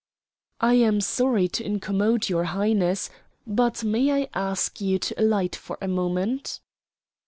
"I am sorry to incommode your Highness, but may I ask you to alight for a moment?"